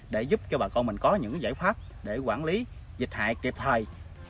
để giúp cho bà con mình có những giải pháp để quản lý dịch hại kịp thời